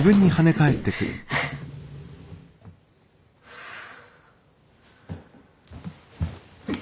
ふう。